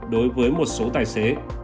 đối với một số tài xế